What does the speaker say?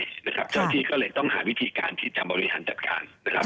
เจ้าหน้าที่ก็เลยต้องหาวิธีการที่จะบริหารจัดการนะครับ